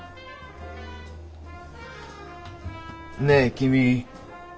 ねえ君。